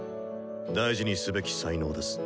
大事にすべき才能です。